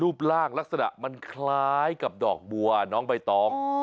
ลักษณะมันคล้ายกับดอกบัวน้องใบตอง